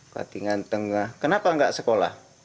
patingan tengah kenapa nggak sekolah